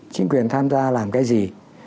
chính quyền tham gia làm cái gì